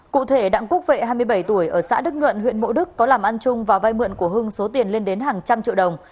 cụ thể đặng quốc vệ hai mươi bảy tuổi ở xã đức nhuận huyện mộ đức có làm ăn chung và vai mượn của hưng số tiền lên đến hàng trăm triệu đồng